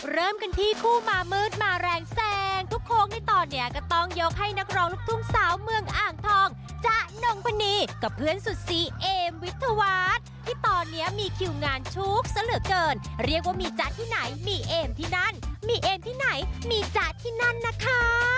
เริ่มกันที่คู่มามืดมาแรงแซงทุกโค้งในตอนนี้ก็ต้องยกให้นักร้องลูกทุ่งสาวเมืองอ่างทองจ๊ะนงพนีกับเพื่อนสุดซีเอมวิทยาวัฒน์ที่ตอนนี้มีคิวงานชุกซะเหลือเกินเรียกว่ามีจ๊ะที่ไหนมีเอมที่นั่นมีเอมที่ไหนมีจ๊ะที่นั่นนะคะ